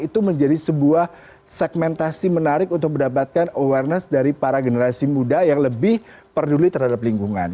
itu menjadi sebuah segmentasi menarik untuk mendapatkan awareness dari para generasi muda yang lebih peduli terhadap lingkungan